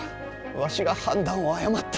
わしが判断を誤った。